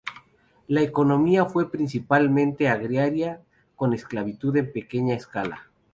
La economía fue principalmente agraria, con esclavitud en pequeña escala.